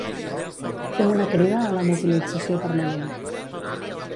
Fem una crida a la mobilització permanent.